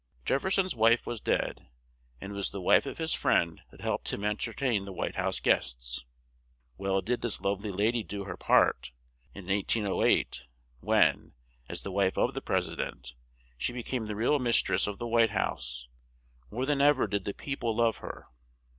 Jef fer son's wife was dead, and it was the wife of his friend that helped him en ter tain the White House guests. Well did this love ly la dy do her part, and in 1808 when, as the wife of the Pres i dent, she be came the real mis tress of the White House, more than ev er did the peo ple love her.